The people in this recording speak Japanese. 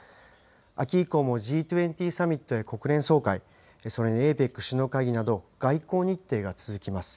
秋以降もＧ２０サミットや国連総会、それにＡＰＥＣ首脳会議など、外交日程が続きます。